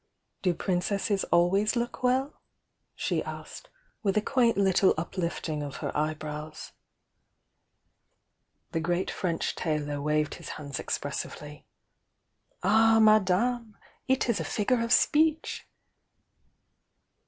"Do princesses always look well?" she asked, with a quaint little uplifting of her eyebrows. THE YOUNG DIANA 07 The great French tailor waved his hands expres sively. "All, Madame I It is a figure of speech!"